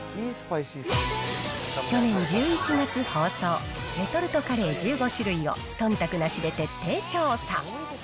去年１１月放送、レトルトカレー１５種類をそんたくなしで徹底調査。